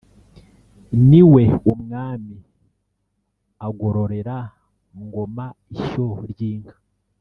«ni we.» Umwami agororera Ngoma ishyo ry'inka